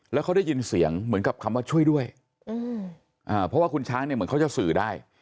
แล้วเขาได้ยินเสียงเหมือนกับคำว่าช่วยด้วยเพราะว่าคุณช้างเนี่ยเหมือนเขาจะสื่อได้